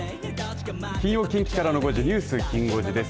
金曜近畿からの５時ニュースきん５時です。